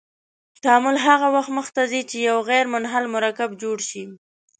تعامل هغه وخت مخ ته ځي چې یو غیر منحل مرکب جوړ شي.